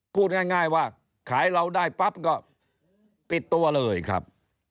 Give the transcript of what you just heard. พูดง่ายว่าขายเราได้ปั๊บก็ปิดตัวเลยครับ